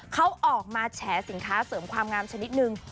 เขาออกมาแฉสินค้าเสริมความงามชนิดนึง